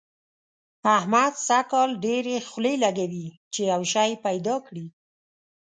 احمد سږ کال ډېرې خولې لګوي چي يو شی پيدا کړي.